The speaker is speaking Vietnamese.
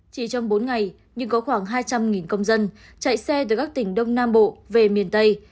chỉ trong bốn ngày nhưng có khoảng hai trăm linh công dân chạy xe từ các tỉnh đông nam bộ về miền tây